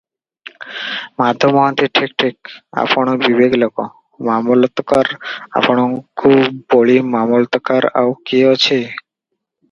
ମାଧ ମହାନ୍ତି- ଠିକ୍ ଠିକ୍, ଆପଣ ବିବେକୀ ଲୋକ, ମାମଲତକାର, ଆପଣଙ୍କୁ ବଳି ମାମଲତକାର ଆଉ କିଏ ଅଛି?